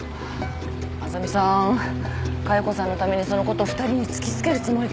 あさみさん加代子さんのためにそのこと２人に突き付けるつもりかも。